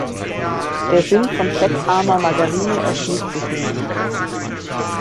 Der Sinn von fettarmer Margarine erschließt sich mir nicht.